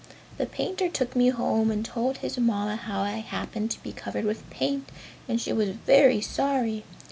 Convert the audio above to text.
The painter took me home and told his Mamma how I happened to be covered with paint and she was very sorry.